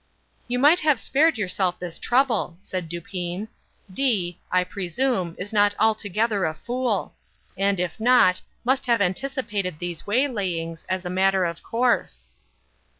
"You might have spared yourself this trouble," said Dupin. "D——, I presume, is not altogether a fool, and, if not, must have anticipated these waylayings, as a matter of course."